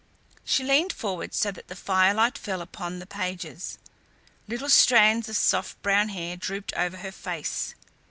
She leaned forward so that the firelight fell upon the pages. Little strands of soft brown hair drooped over her face.